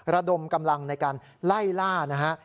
ระดมกำลังในการไล่ล่านะฮะ